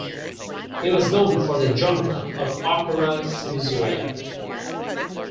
He was known for the genre of opera semiseria.